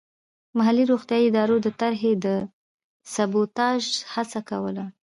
محلي روغتیايي ادارو د طرحې د سبوتاژ هڅه کوله.